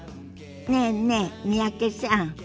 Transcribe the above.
ねえねえ三宅さん。